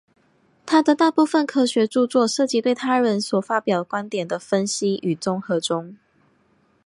他的大部分科学着作涉及对他人所发表观点的分析与综合中。